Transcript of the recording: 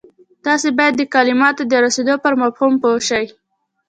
تاسې بايد د کلماتو د رسېدو پر مفهوم پوه شئ.